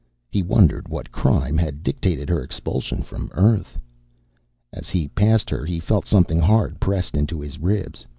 He wondered what crime had dictated her expulsion from Earth. As he passed her, he felt something hard pressed into his ribs.